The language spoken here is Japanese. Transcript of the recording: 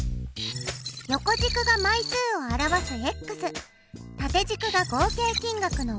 横軸が枚数を表す縦軸が合計金額の。